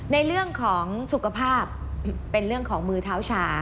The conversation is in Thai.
ในเรื่องของสุขภาพเป็นเรื่องของมือเท้าชา